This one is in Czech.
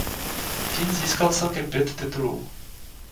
Tým získal celkem pět titulů.